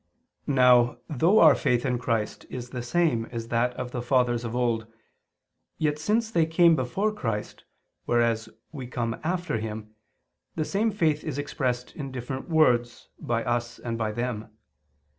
Now, though our faith in Christ is the same as that of the fathers of old; yet, since they came before Christ, whereas we come after Him, the same faith is expressed in different words, by us and by them.